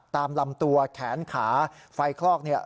ตามลำตัวแขนขาไฟคลอกเนี่ย